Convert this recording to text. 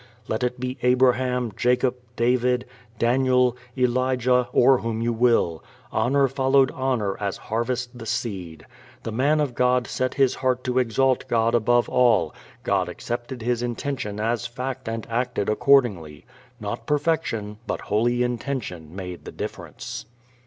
Let it be Abraham, Jacob, David, Daniel, Elijah or whom you will; honor followed honor as harvest the seed. The man of God set his heart to exalt God above all; God accepted his intention as fact and acted accordingly. Not perfection, but holy intention made the difference.